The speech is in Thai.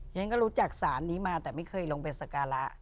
ฉันก็รู้จักสารนี้มาแต่ไม่เคยลงไปสการะ